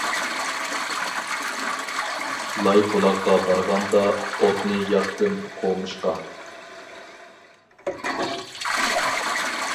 لاي بۇلاققا بارغاندا، ئوتنى ياقتىم قومۇشقا.